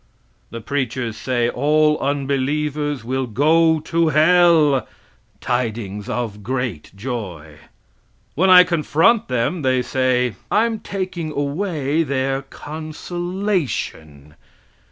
The preachers say all unbelievers will go to hell tidings of great joy. When I confront them they say I'm taking away their consolation.